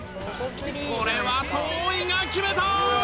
これは遠いが決めた！